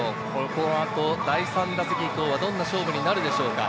第３打席以降はどんな勝負になるでしょうか。